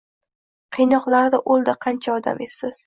Qiynoqlarda o’ldi qancha odam, esiz